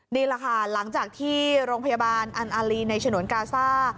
นี่แหละค่ะหลังจากที่โรงพยาบาลอันอารีในฉนวนกาซ่า